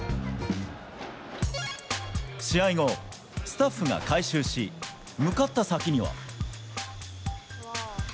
試合後、スタッフが回収し、向かった先には。